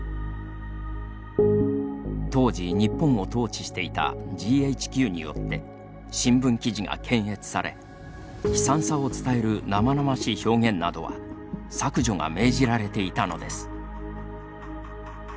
当時、日本を統治していたＧＨＱによって新聞記事が検閲され悲惨さを伝える生々しい表現などは削除が命じられていたのです。